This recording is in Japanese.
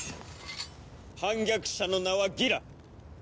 反逆者の名はギラ。